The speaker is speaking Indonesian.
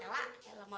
eehh lupa ya be